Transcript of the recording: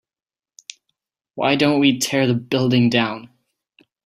why don't we tear the building down?